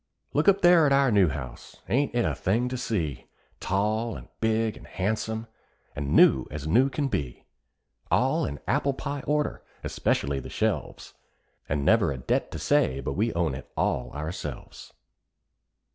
Look up there at our new house! ain't it a thing to see? Tall and big and handsome, and new as new can be; All in apple pie order, especially the shelves, And never a debt to say but what we own it all ourselves.